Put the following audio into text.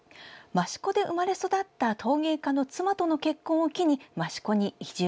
益子で生まれ育った陶芸家の妻との結婚を機に益子に移住。